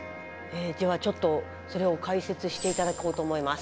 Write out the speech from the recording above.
ではちょっとそれを解説していただこうと思います。